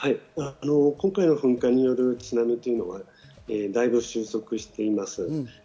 今回の噴火による津波はだいぶ収束しています。